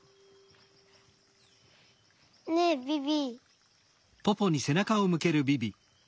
ねえビビ。